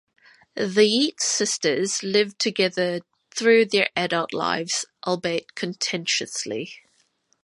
The Yeats sisters lived together through their adult lives, albeit contentiously.